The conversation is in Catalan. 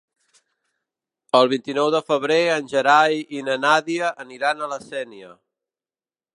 El vint-i-nou de febrer en Gerai i na Nàdia aniran a la Sénia.